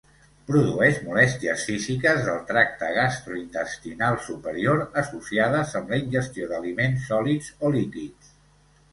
Produeix molèsties físiques del tracte gastrointestinal superior, associades amb la ingestió d'aliments sòlids o líquids.